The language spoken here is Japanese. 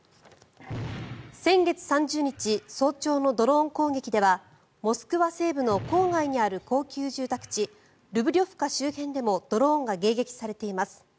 先月３０日早朝のドローン攻撃ではモスクワ西部の郊外にある高級住宅地ルブリョフカ周辺でもドローンが迎撃されています。